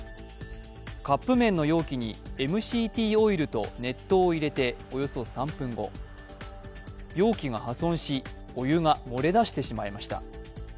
カップ麺の容器にＭＣＴオイルと熱湯を入れておよそ３分後容器が破損し、お湯が漏れ出してしまいました。